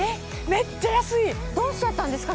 めっちゃ安いどうしちゃったんですか？